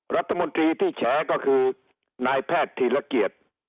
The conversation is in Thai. รัฐมนตรีที่แฉก็คือนายแพทย์ธีรเกียจ